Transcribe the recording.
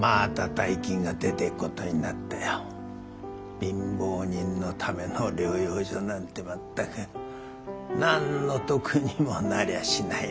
貧乏人のための療養所なんて全く何の得にもなりゃしないのにね。